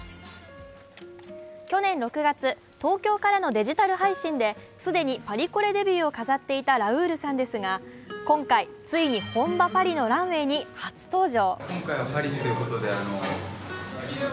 去年６月、東京からのデジタル配信で既にパリコレデビューを飾っていたラウールさんですが今回、ついに本場・パリのランウェイに初登場。